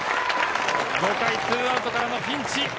５回２アウトからのピンチ。